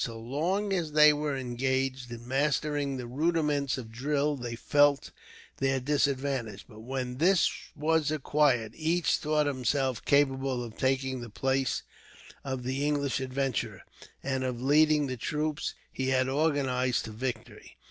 So long as they were engaged in mastering the rudiments of drill they felt their disadvantage; but when this was acquired, each thought himself capable of taking the place of the English adventurer, and of leading the troops he had organized to victory.